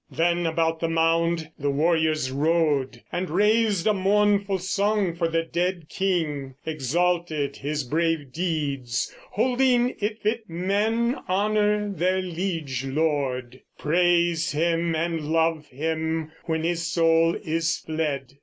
Then about the mound The warriors rode, and raised a mournful song For their dead king; exalted his brave deeds, Holding it fit men honour their liege lord, Praise him and love him when his soul is fled.